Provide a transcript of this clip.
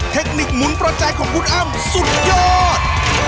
เทคนิคหมุนประใจของคุณอ้ำสุดยอด